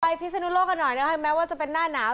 พิศนุโลกกันหน่อยนะคะแม้ว่าจะเป็นหน้าหนาว